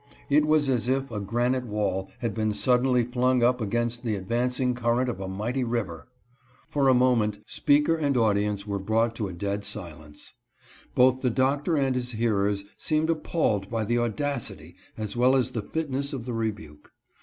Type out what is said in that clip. It was as if a granite wall had been suddenly flung up against THE EVANGELICAL ALLIANCE. 313 the advancing current of a mighty river. For a moment speaker and audience were brought to a dead silence. Both the Doctor and his hearers seemed appalled by the audacity, as well as the fitness of the rebuke.